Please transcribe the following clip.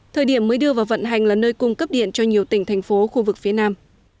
thời điểm mới đưa vào vận hành là nơi cung cấp điện cho nhiều tỉnh thành phố khu vực phía nam